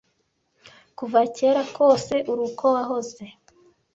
kuva kera kose uri uko wahoze